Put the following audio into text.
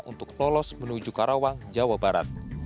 untuk lolos menuju karawang jawa barat